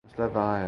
مسئلہ کہاں ہے؟